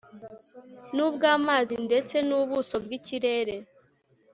n ubw amazi ndetse n ubuso bw ikirere